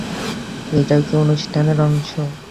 এটাও কি অনুষ্ঠানের অংশ?